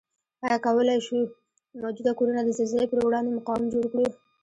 آیا کوای شو موجوده کورنه د زلزلې پروړاندې مقاوم جوړ کړو؟